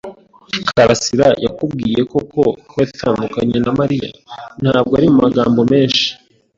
"karasira yakubwiye koko ko yatandukanye na Mariya?" "Ntabwo ari mu magambo menshi."